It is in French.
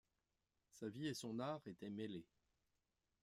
Sa vie et son art étaient mêlés.